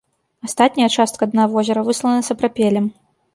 Астатняя частка дна возера выслана сапрапелем.